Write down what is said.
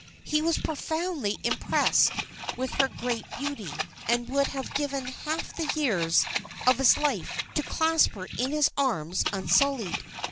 He was profoundly impressed with her great beauty, and would have given half the years of his life to clasp her in his arms unsullied.